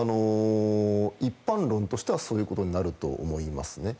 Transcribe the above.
一般論としてはそういうことになると思います。